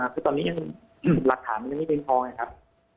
คือตอนนี้ยังหลักฐานมันยังไม่เพียงพอไงครับ